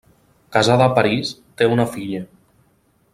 Casada a París, té una filla.